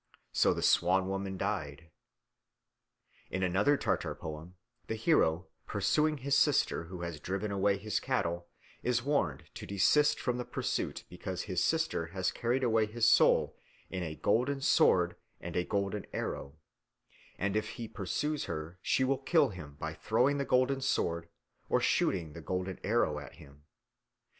So the Swan woman died. In another Tartar poem the hero, pursuing his sister who has driven away his cattle, is warned to desist from the pursuit because his sister has carried away his soul in a golden sword and a golden arrow, and if he pursues her she will kill him by throwing the golden sword or shooting the golden arrow at him.